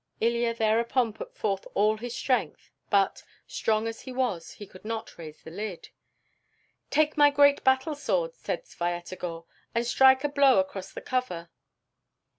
Ilya thereupon put forth all his strength but, strong as he was, he could not raise the lid. "Take my great battle sword," said Svyatogor, "and strike a blow across the cover."